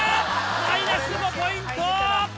マイナス５ポイント！